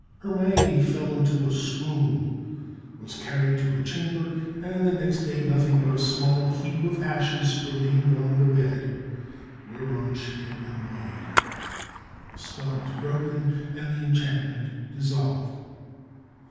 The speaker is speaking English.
Hermione fell into a swoon, was carried to her chamber, and the next day nothing but a small heap of ashes remained on the bed whereon she had been laid. The spell was broken and the enchantment dissolved.